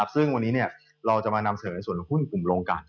ซึ่งวันนี้เราจะมานำเสนอส่วนหุ้นกลุ่มโรงการ